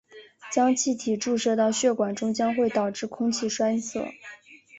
将气体注射到血管中将会导致空气栓塞。